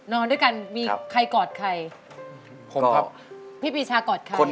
นอนด้วยกันมีใครกอดใครครับพี่พีชากอดใครครับผมครับ